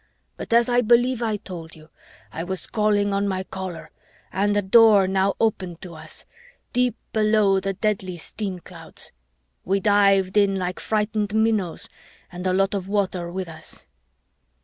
But as I believe I told you, I was calling on my Caller, and a Door now opened to us, deep below the deadly steam clouds. We dived in like frightened minnows and a lot of water with us."